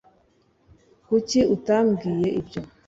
kuki utambwiye ibyo